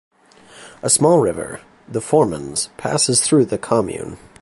A small river, the Formans, passes through the commune.